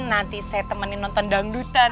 nanti saya temenin nonton dangdutan